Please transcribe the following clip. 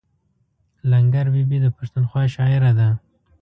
لنګر بي بي د پښتونخوا شاعره ده.